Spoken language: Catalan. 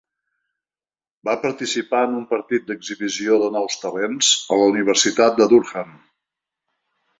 Va participar en un partit d'exhibició de nous talents a la universitat de Durham.